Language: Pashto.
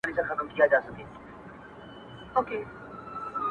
د الله د کور زمری دی، زور دي دی پکښی پیدا کړي -